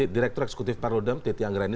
direktur eksekutif perludem titi anggrani